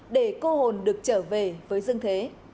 để cô hồn được trở về với dương thế